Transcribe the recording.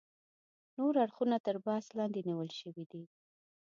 نور اړخونه تر بحث لاندې نیول شوي دي.